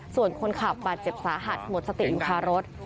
ส่วนคนขับบาดเจ็บสาหัสหมดสติอยู่คารถ